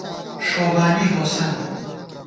ݭوبانی ہوسند